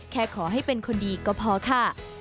ขอให้เป็นคนดีก็พอค่ะ